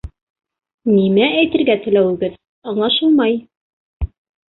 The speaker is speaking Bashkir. Нимә әйтергә теләүегеҙ аңлашылмай.